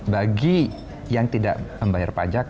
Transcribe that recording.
bagi yang tidak membayar pajak